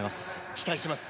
期待しています。